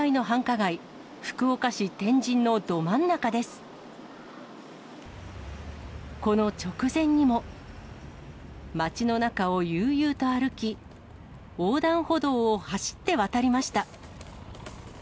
街の中を悠々と歩き、横断歩道を走って渡りました。